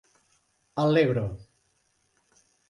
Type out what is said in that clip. Allegro.